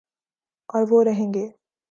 اوروہ رہیں گے